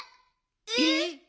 えっ！？